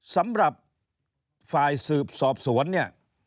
สำหรับฝ่ายสืบสอบสวนเนี่ย